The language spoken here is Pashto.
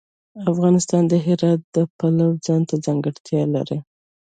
افغانستان د هرات د پلوه ځانته ځانګړتیا لري.